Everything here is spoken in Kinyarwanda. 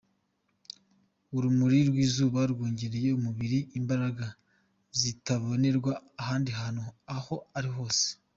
Urumuri rw’izuba rwongerera umubiri imbaraga zitabonerwa ahandi hantu aho ariho hose.